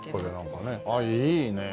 あっいいね。